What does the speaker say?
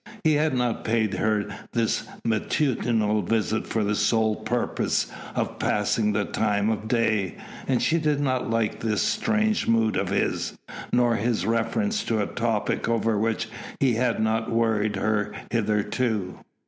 He had not paid her this matutinal visit for the sole purpose of passing the time of day; and she did not like this strange mood of his nor his reference to a topic over which he had not worried her hitherto.